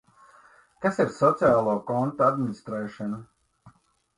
Kas ir sociālo kontu administrēšana?